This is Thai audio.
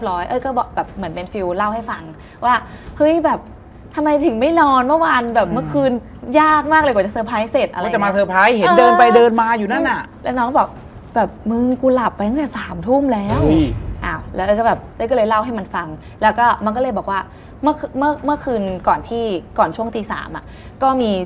แล้วมันนั้นไปเอานังสือมันดึกดี่